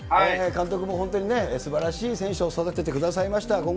監督も本当にね、すばらしい選手を育ててくださいました。